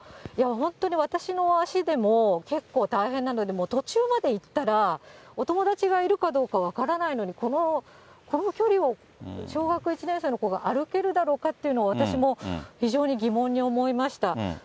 本当に私の足でも結構大変なので、途中まで行ったら、お友達がいるかどうか分からないのに、この距離を小学１年生の子が歩けるだろうかというのは、私も非常に疑問に思いました。